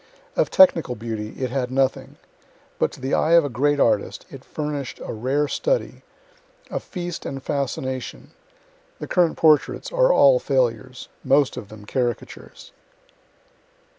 Of technical beauty it had nothing but to the eye of a great artist it furnished a rare study, a feast and fascination. The current portraits are all failures most of them caricatures.